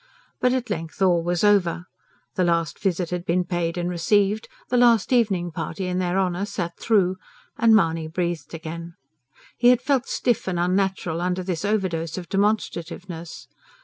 But at length all was over: the last visit had been paid and received, the last evening party in their honour sat through; and Mahony breathed again. He had felt stiff and unnatural under this overdose of demonstrativeness.